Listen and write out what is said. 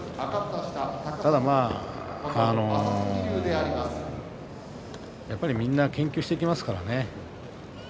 ただ、やっぱりみんな研究してきますからね。